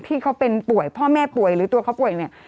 ที่เขาเป็นป่วยพ่อแม่ป่วยหรือตัวเขาป่วยเนี่ย